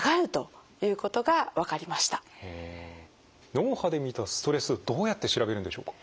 脳波で見たストレスどうやって調べるんでしょうか？